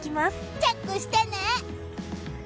チェックしてね。